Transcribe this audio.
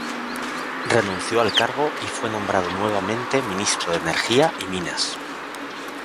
Renunció al cargo y fue nombrado nuevamente Ministro de Energía y Minas.